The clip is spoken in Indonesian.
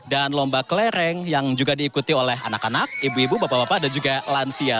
dan lomba klereng yang juga diikuti oleh anak anak ibu ibu bapak bapak dan juga lansia